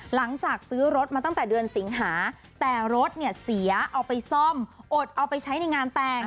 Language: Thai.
หลังจากซื้อรถมาตั้งแต่เดือนสิงหาแต่รถเนี่ยเสียเอาไปซ่อมอดเอาไปใช้ในงานแต่ง